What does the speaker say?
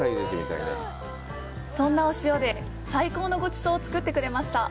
そんなお塩で最高のごちそうを作ってくれました。